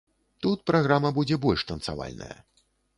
Тут праграма будзе больш танцавальная.